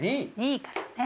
２位からね。